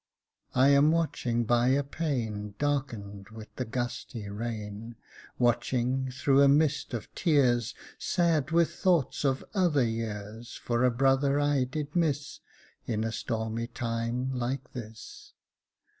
I am watching by a pane Darkened with the gusty rain, Watching, through a mist of tears, Sad with thoughts of other years, For a brother I did miss In a stormy time like this.